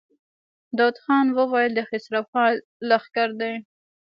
داوود خان وويل: د خسرو خان لښکر دی.